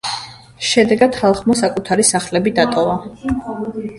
შედეგად, ხალხმა საკუთარი სახლები დატოვა.